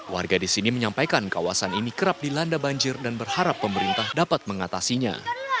warga di sini menyampaikan kawasan ini kerap dilanda banjir dan berharap pemerintah dapat mengatasinya